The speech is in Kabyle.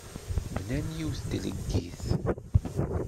Bnan yiwet n tleggit.